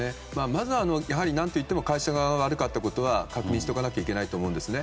まずは何といっても会社側が悪かったことは確認しておかないといけないと思います。